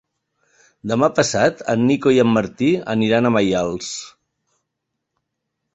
Demà passat en Nico i en Martí aniran a Maials.